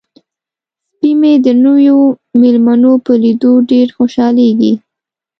سپی مې د نویو میلمنو په لیدو ډیر خوشحالیږي.